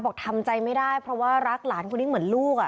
ทำใจไม่ได้เพราะว่ารักหลานคนนี้เหมือนลูก